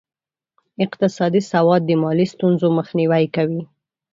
اقتصادي سواد د مالي ستونزو مخنیوی کوي.